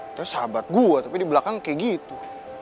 itu sahabat gue tapi di belakang kayak gitu